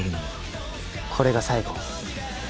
これが最後。